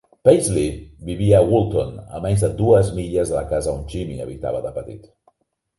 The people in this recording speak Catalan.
Paisley vivia a Woolton, a menys de dues milles de la casa on Jimmy habitava de petit.